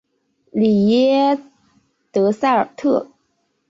里耶德塞尔特。